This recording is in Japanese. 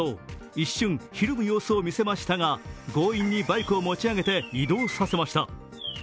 一瞬ひるむ様子を見せましたが、強引にバイクを持ち上げて移動させました。